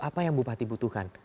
apa yang bupati butuhkan